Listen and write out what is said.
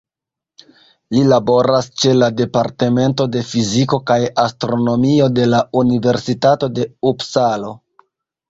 Li laboras ĉe la Departemento de Fiziko kaj Astronomio de la Universitato de Upsalo.